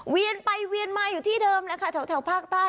เวียนไปเวียนมาอยู่ที่เดิมนะคะแถวภาคใต้